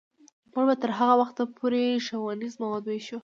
موږ به تر هغه وخته پورې ښوونیز مواد ویشو.